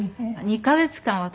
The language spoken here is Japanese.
２カ月間私